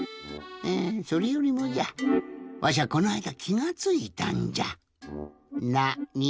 えそれよりもじゃわしゃこないだきがついたんじゃ。